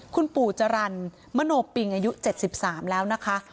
คุณปู่จรรย์มโนปิงอายุ๗๓แล้วนะคะ